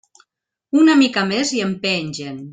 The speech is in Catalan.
Una mica més i em pengen.